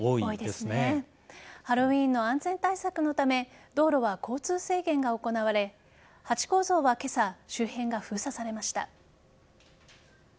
ハロウィーンの安全対策のため道路は交通制限が行われハチ公像は今朝、周辺が封鎖されました。